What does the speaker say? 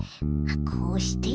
あっこうして？